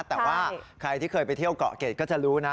แต่ว่าใครที่เคยไปเที่ยวเกาะเกรดก็จะรู้นะ